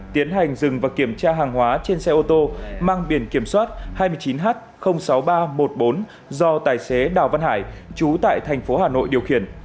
tiến hành dừng và kiểm tra hàng hóa trên xe ô tô mang biển kiểm soát hai mươi chín h sáu nghìn ba trăm một mươi bốn do tài xế đào văn hải trú tại thành phố hà nội điều khiển